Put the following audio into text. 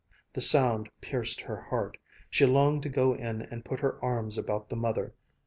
The sound pierced her heart. She longed to go in and put her arms about the mother.